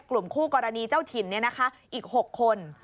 กลุ่มคู่กรณีเจ้าถิ่นอีก๖คน